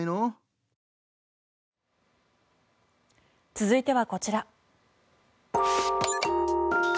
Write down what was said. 続いてはこちら。